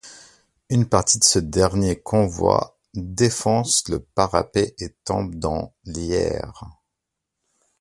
Une partie de ce dernier convoi défonce le parapet et tombe dans l'Yerres.